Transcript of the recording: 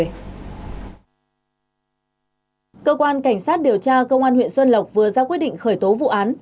cơ quan cảnh sát điều tra công an huyện xuân lộc vừa ra quyết định khởi tố vụ án